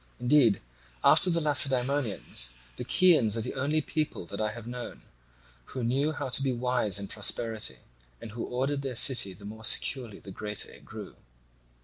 Indeed, after the Lacedaemonians, the Chians are the only people that I have known who knew how to be wise in prosperity, and who ordered their city the more securely the greater it grew.